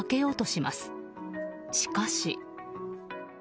しかし。